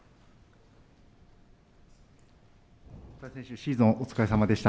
シーズン、お疲れさまでした。